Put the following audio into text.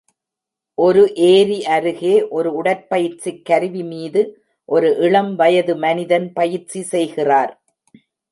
ஒரு ஏரி அருகே ஒரு உடற்பயிற்சிக் கருவிமீது ஒரு இளம் வயது மனிதன் பயிற்சி செய்கிறார்.